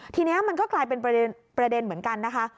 ทีนี้มันก็กลายเป็นประเด็นเหมือนกันนะคะ